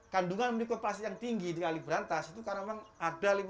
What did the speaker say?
kandungan mikroplastik yang tinggi di kali berantas itu karena memang ada lima